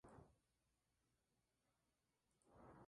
Posteriormente se eliminaron letras hasta su nombre actual.